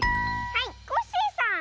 はいコッシーさん！